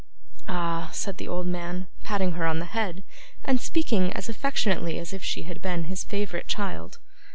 'Ah,' said the old man, patting her on the head, and speaking as affectionately as if she had been his favourite child.